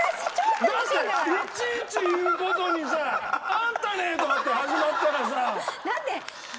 だっていちいち言う事にさ「あんたね」とかって始まったらさ。